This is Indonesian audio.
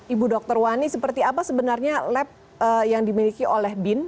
ibu dr wani seperti apa sebenarnya lab yang dimiliki oleh bin